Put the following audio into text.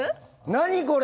何これ！